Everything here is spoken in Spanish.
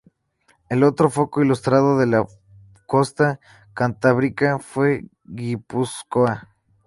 El otro foco ilustrado de la costa cantábrica fue Guipúzcoa.